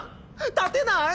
立てない？